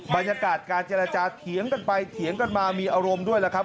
บรรยากาศการเจรจาเถียงกันไปเถียงกันมามีอารมณ์ด้วยล่ะครับ